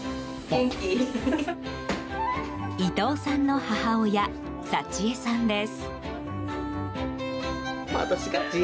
伊藤さんの母親佐智恵さんです。